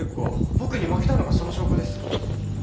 僕に負けたのがその証拠です。